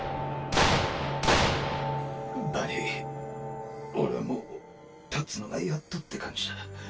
バニー俺はもう立つのがやっとって感じだ。